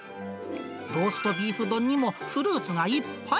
ローストビーフ丼にもフルーツがいっぱい。